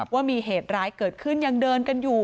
ว่ามีเหตุร้ายเกิดขึ้นยังเดินกันอยู่